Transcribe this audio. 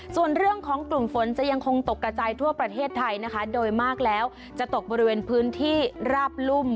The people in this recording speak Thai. ส่วนเรื่องของกลุ่มฝนจะยังคงตกกระจายทั่วประเทศไทยนะคะโดยมากแล้วจะตกบริเวณพื้นที่ราบรุ่ม